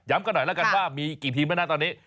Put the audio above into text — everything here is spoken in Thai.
กันหน่อยแล้วกันว่ามีกี่ทีมแล้วนะตอนนี้